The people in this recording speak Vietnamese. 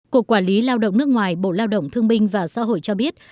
của quản lý lao động nước ngoài bộ lao động thương minh và xã hội cho biết